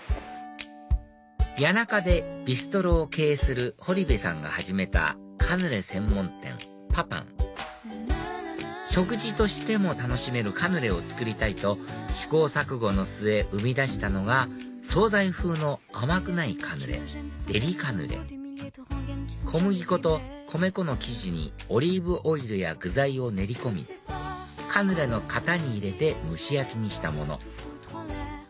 谷中でビストロを経営する堀部さんが始めたカヌレ専門店パパン食事としても楽しめるカヌレを作りたいと試行錯誤の末生み出したのが総菜風の甘くないカヌレデリカヌレ小麦粉と米粉の生地にオリーブオイルや具材を練り込みカヌレの型に入れて蒸し焼きにしたもの